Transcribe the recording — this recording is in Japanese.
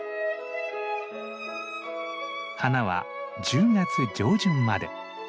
花は１０月上旬まで。